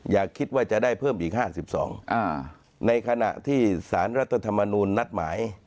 อย่าคิดว่าจะได้เพิ่มอีก๕๒ในขณะที่สารรัฐธรรมนูลนัดหมาย